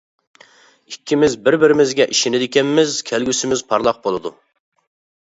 ئىككىمىز بىر-بىرىمىزگە ئىشىنىدىكەنمىز كەلگۈسىمىز پارلاق بولىدۇ.